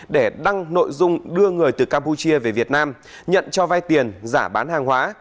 để đăng nội dung đưa người từ campuchia về việt nam nhận cho vai tiền giả bán hàng hóa